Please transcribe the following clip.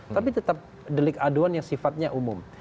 tapi tetap delik aduan yang sifatnya umum